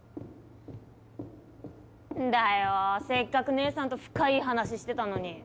なんだよせっかく姐さんと深イイ話してたのに。